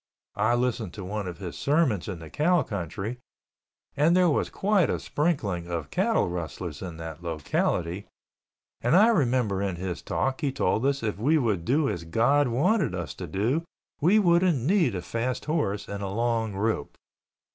I listened to one of his sermons in the cow country and there was quite a sprinkling of cattle rustlers in that locality and I remember in his talk he told us if we would do as God wanted us to do we wouldn't need a fast horse and a long rope.